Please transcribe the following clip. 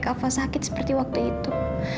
apa sakit seperti waktu itu